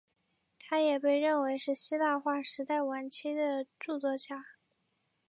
他也被认为是希腊化时代晚期的着作家。